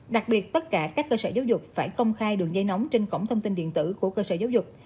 đặc biệt tất cả các cơ sở giáo dục phải công khai đường dây nóng trên cổng thông tin điện tử của cơ sở giáo dục